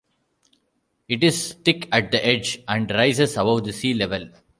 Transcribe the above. It is thick at the edge, and rises above the sea level.